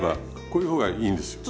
こういう方がいいんですよ。